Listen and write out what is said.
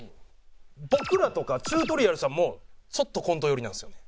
僕らとかチュートリアルさんもちょっとコント寄りなんですよね。